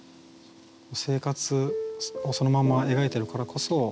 生活をそのまま描いてるからこそ。